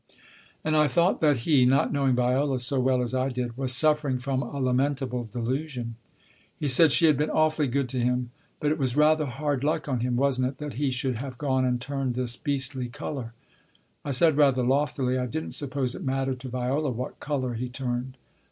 And I thought that he (not knowing Viola so well as I did) was suffering from a lamentable delusion. He said she had been awfully good to him. But it was rather hard luck on him, wasn't it, that he should have gone and turned this beastly colour ? I said rather loftily I didn't suppose it mattered to Viola what colour he turned.